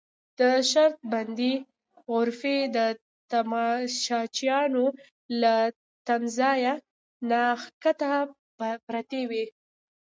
د شرط بندۍ غرفې د تماشچیانو له تمځای نه کښته پرتې وې.